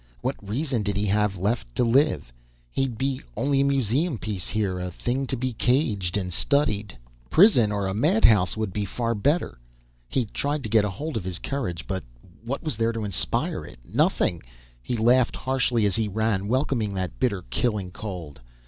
What reason did he have left to live? He'd be only a museum piece here, a thing to be caged and studied.... Prison or a madhouse would be far better. He tried to get hold of his courage. But what was there to inspire it? Nothing! He laughed harshly as he ran, welcoming that bitter, killing cold.